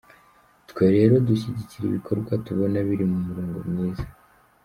Twe rero dushyigikira ibikorwa tubona biri mu murongo mwiza.